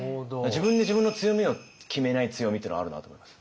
自分で自分の強みを決めない強みっていうのはあるなと思います。